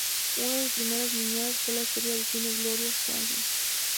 Una de sus primeras niñeras fue la estrella de cine Gloria Swanson.